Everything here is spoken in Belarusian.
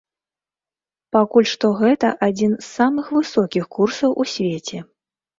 Пакуль што гэта адзін з самых высокіх курсаў у свеце.